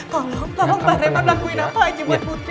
tolong pak reva lakuin apa aja buat putri